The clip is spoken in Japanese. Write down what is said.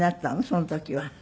その時は。